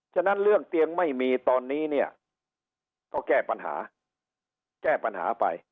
ฉะนั้นเรื่องเตียงไม่มีตอนนี้เนี่ยก็แก้ปัญหาแก้ปัญหาไป